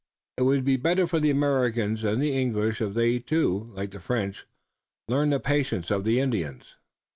It would be better for the Americans and the English if they, too, like the French, learned the patience of the Indians."